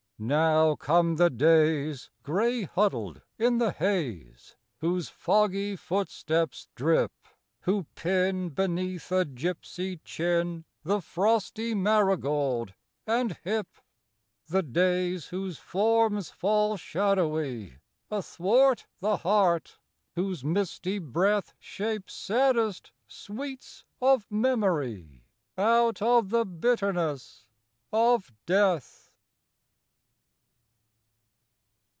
Now come the days gray huddled in The haze; whose foggy footsteps drip; Who pin beneath a gipsy chin The frosty marigold and hip. The days, whose forms fall shadowy Athwart the heart; whose misty breath Shapes saddest sweets of memory Out of the bitterness of death.